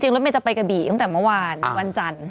รถเมย์จะไปกระบี่ตั้งแต่เมื่อวานวันจันทร์